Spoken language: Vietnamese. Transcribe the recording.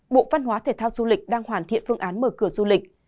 bộ văn hóa thể thao du lịch đang hoàn thiện phương án mở cửa du lịch